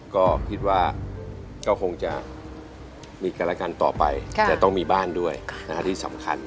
ก็คิดว่าก็คงจะมีกันและกันต่อไปจะต้องมีบ้านด้วยที่สำคัญ